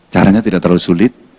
caranya tidak terlalu sulit